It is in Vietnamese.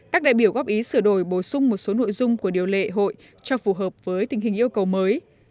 các đại biểu góp ý sửa đổi bổ sung một số nội dung của điều lệ hội cho phù hợp với tình hình yêu cầu mới